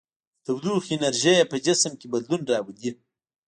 د تودوخې انرژي په جسم کې بدلون راولي.